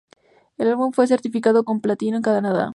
El álbum fue certificado con platino en Canadá.